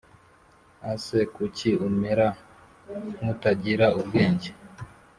Ax kuki umera nkutagira ubwenge